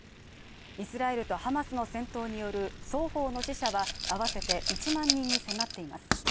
イスラエルとハマスの戦闘による双方の死者は合わせて１万人に迫っています